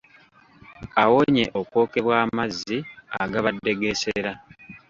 Awonye okwokebwa amazzi agabadde geesera.